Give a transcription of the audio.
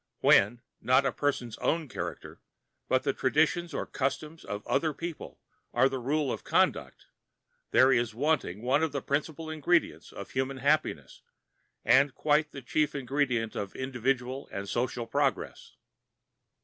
When, not the person's own character, but the traditions or customs of other people are the rule of conduct, there is wanting one of the principal ingredients of human happiness253 and quite the chief ingredient of individual and social progress.